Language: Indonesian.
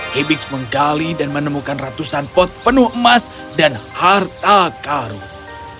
hibis menggali dan menemukan ratusan pot penuh emas dan harta karun